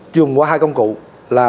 dùng qua hai công cụ là